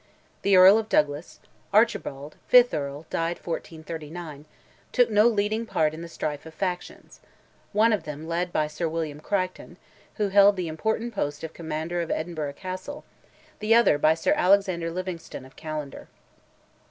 The Earl of Douglas (Archibald, fifth Earl, died 1439) took no leading part in the strife of factions: one of them led by Sir William Crichton, who held the important post of Commander of Edinburgh Castle; the other by Sir Alexander Livingstone of Callendar.